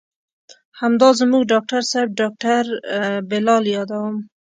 همدا زموږ ډاکتر صاحب ډاکتر بلال يادوم.